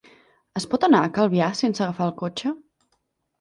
Es pot anar a Calvià sense agafar el cotxe?